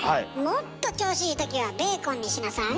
もっと調子いい時はベーコンにしなさい。